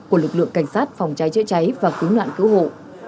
của lực lượng cảnh sát phòng cháy chữa cháy và cứu nạn cứu hộ